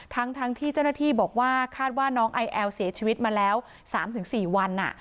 ทั้งทั้งที่เจ้าหน้าที่บอกว่าคาดว่าน้องไอแอวเสียชีวิตมาแล้วสามถึงสี่วันอ่ะ